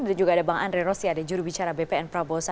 dan juga ada bang andre rosiade jurubicara bpn prabowo